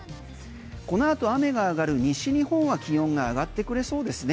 このあと雨が上がる西日本は気温が上がってくれそうですね。